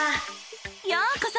ようこそ！